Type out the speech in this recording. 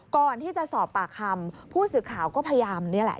ก่อนที่จะสอบปากคำผู้ศึกขาวก็พยามเนี่ยแหละ